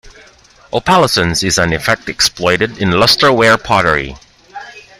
Opalescence is an effect exploited in lustreware pottery.